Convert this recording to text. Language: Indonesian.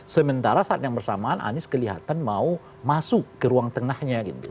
sementara saat yang bersamaan anies kelihatan mau masuk ke ruang tengahnya gitu